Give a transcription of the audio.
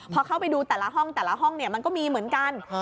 พอเข้าไปดูแต่ละห้องแต่ละห้องมันก็มีเหมือนกัน